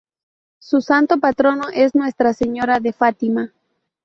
Su Santo Patrono es Nuestra Señora de Fátima.